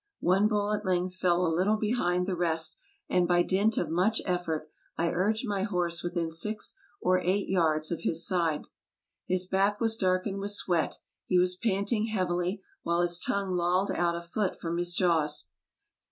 One bull at length fell a little behind the rest, and by dint of much effort I urged my horse within six or eight yards of his side. His back was darkened with sweat ; he was panting heavily, while his tongue lolled out a foot from his jaws.